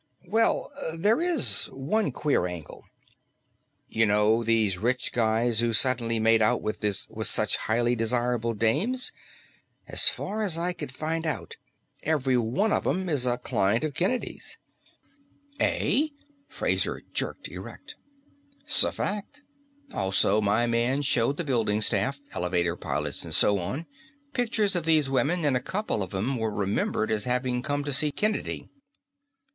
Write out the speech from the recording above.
"Well, there is one queer angle. You know these rich guys who've suddenly made out with such highly desirable dames? As far as I could find out, every one of them is a client of Kennedy's." "Eh?" Fraser jerked erect. "'S a fact. Also, my man showed the building staff, elevator pilots and so on, pictures of these women, and a couple of 'em were remembered as having come to see Kennedy."